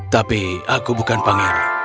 tapi aku bukan pangeran